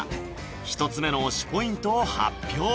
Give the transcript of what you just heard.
１つ目の推しポイントを発表